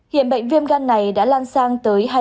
hiện bệnh viêm gan này đã lan sang tới